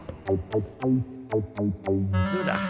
どうだ？